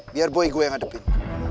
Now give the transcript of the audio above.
biar boy gue yang ngadepin